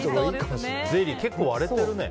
結構、割れてるね。